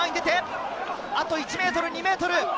あと１ｍ、２ｍ。